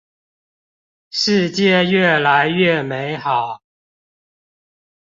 世界越來越美好